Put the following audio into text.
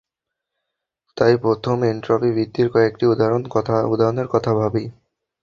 তাই প্রথম এনট্রপি বৃদ্ধির কয়েকটি উদাহরণের কথা ভাবি।